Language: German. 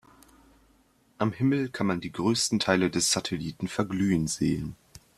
Am Himmel kann man die größten Teile des Satelliten verglühen sehen.